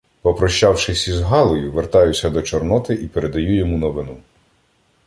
Попрощавшись із Галею, вертаюся до Чорноти і передаю йому новину.